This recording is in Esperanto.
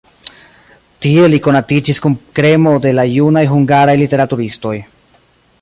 Tie li konatiĝis kun kremo de la junaj hungaraj literaturistoj.